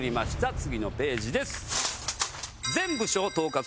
次のページです。